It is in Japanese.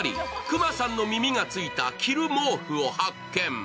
くまさんの耳がついた着る毛布を発見。